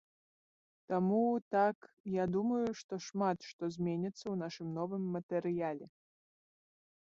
Таму, так, я думаю, што шмат што зменіцца ў нашым новым матэрыяле.